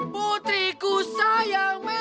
putriku sayang mercy